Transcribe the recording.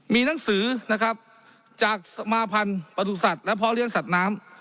มีหนังสือนะครับจากสมาพันธ์ประสุทธิ์และพ่อเลี้ยงสัตว์น้ำ